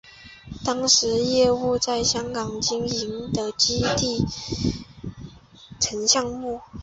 当时业务在香港经营地基工程项目。